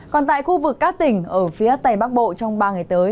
còn tại khu vực các tỉnh ở phía tây bắc bộ trong ba ngày tới